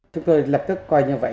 chúng tôi lập tức coi như vậy